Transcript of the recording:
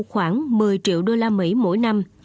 khoảng một mươi triệu usd mỗi năm